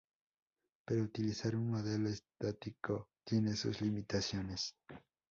Pero utilizar un modelo estático tiene sus limitaciones.